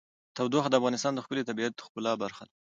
تودوخه د افغانستان د ښکلي طبیعت د ښکلا برخه ده.